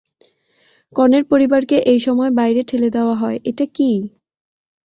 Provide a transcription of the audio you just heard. কনের পরিবারকে সবসময়, বাইরে ঠেলে দেওয়া হয়, এটা কি?